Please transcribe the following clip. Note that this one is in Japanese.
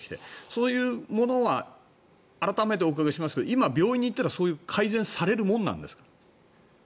そういうものは改めてお伺いしますが今、病院に行ったら、そういう改善されるものなんですか？